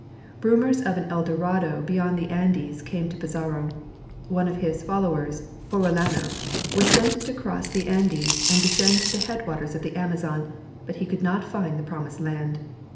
Rumors of an eldorado beyond the Andes came to Pizarro. One of his followers, Orellano, was sent to cross the Andes and descend to the headwaters of the Amazon, but he could not find the promised land.